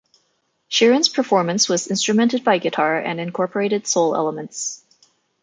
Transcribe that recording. Sheeran's performance was instrumented by guitar and incorporated soul elements.